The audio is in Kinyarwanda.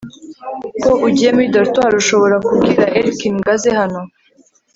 ko ugiye muri dortoir, ushobora kubwira erkin ngo aze hano? (feudrenais